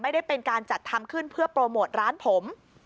ไม่ได้เป็นการจัดทำขึ้นเพื่อโปรโมทร้านผม